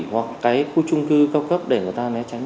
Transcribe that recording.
hoặc cái khu trung cư cao cấp để người ta né tránh